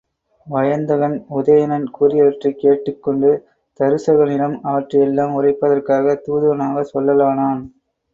வயந்தகன், உதயணன் கூறியவற்றைக் கேட்டுக் கொண்டு, தருசகனிடம் அவற்றை எல்லாம் உரைப்பதற்காகத் தூதுவனாகச் செல்லலானான்.